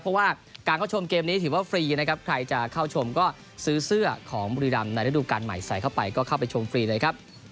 เพราะว่าการเข้าชมเกมนี้ถือว่าฟรีนะครับใครจะเข้าชมก็ซื้อเสื้อของบุรีรำในฤดูการใหม่ใส่เข้าไปก็เข้าไปชมฟรีเลยครับ